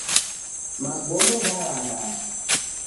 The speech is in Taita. Magome ghalaghaya